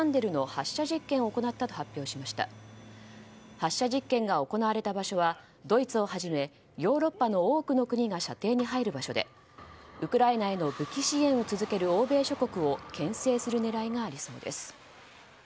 発射実験が行われた場所はドイツをはじめヨーロッパの多くの国が射程に入る場所でウクライナへの武器支援を続ける欧米諸国を牽制する狙いがありそうです。